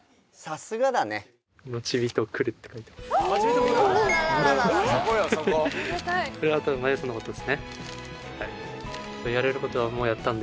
さすがだねはっ！